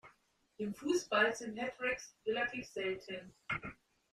Im Fußball sind Hattricks relativ selten.